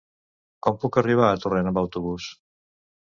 Com puc arribar a Torrent amb autobús?